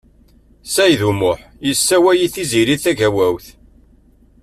Saɛid U Muḥ yessewway i Tiziri Tagawawt.